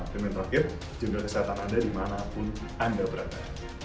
dan yang terakhir jumlah kesehatan anda dimanapun anda berada